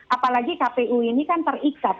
apalagi kpu ini kan terikat